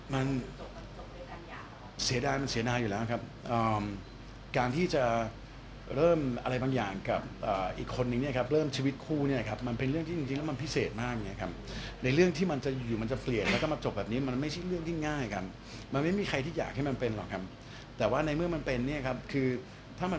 มันเสียดายมันเสียดายอยู่แล้วครับการที่จะเริ่มอะไรบางอย่างกับอีกคนนึงเนี่ยครับเริ่มชีวิตคู่เนี่ยครับมันเป็นเรื่องที่จริงแล้วมันพิเศษมากไงครับในเรื่องที่มันจะอยู่มันจะเปลี่ยนแล้วก็มาจบแบบนี้มันไม่ใช่เรื่องที่ง่ายกันมันไม่มีใครที่อยากให้มันเป็นหรอกครับแต่ว่าในเมื่อมันเป็นเนี่ยครับคือถ้ามัน